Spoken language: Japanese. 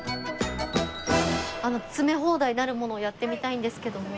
詰め放題なるものをやってみたいんですけども。